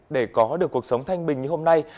để có được cuộc sống thanh bình như hôm nay